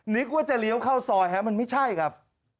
นึกว่าจะเลี้ยวเข้าซอยฮะมันไม่ใช่ครับ